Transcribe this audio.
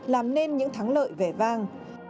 làm nên những thắng lợi vẻ vang